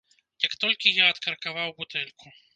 Як толькі я адкаркаваў бутэльку.